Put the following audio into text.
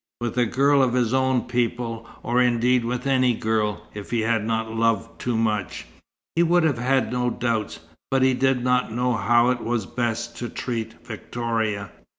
With a girl of his own people, or indeed with any girl, if he had not loved too much, he would have had no doubts. But he did not know how it was best to treat Victoria.